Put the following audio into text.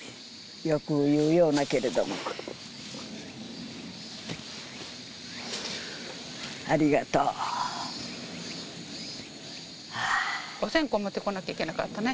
欲をいうようなけれどもありがとうお線香持ってこなきゃいけなかったね